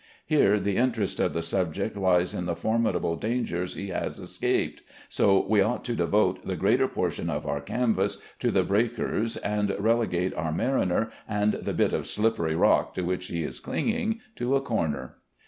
Here the interest of the subject lies in the formidable dangers he has escaped, so we ought to devote the greater portion of our canvas to the breakers, and relegate our mariner and the bit of slippery rock to which he is clinging to a corner.